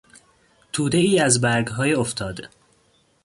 تودهای از برگهای افتاده